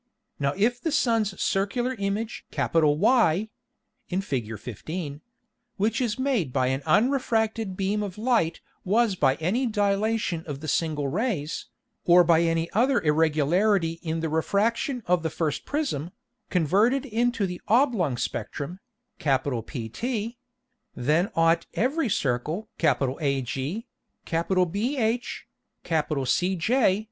Now if the Sun's circular Image Y [in Fig. 15.] which is made by an unrefracted beam of Light was by any Dilation of the single Rays, or by any other irregularity in the Refraction of the first Prism, converted into the oblong Spectrum, PT: then ought every Circle AG, BH, CJ, &c.